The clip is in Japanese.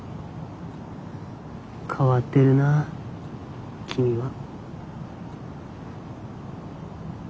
変わってるなあ君は。